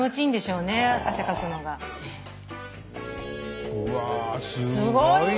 うわすごいね。